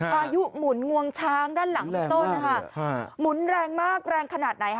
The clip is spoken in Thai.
อายุหมุนงวงช้างด้านหลังต้นหมุนแรงมากแรงขนาดไหน